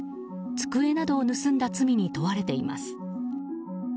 机などを盗んだ罪に問われています。